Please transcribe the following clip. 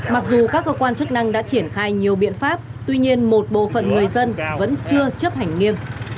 mặc dù các cơ quan chức năng đã triển khai nhiều biện pháp tuy nhiên một bộ phận người dân vẫn chưa chấp hành nghiêm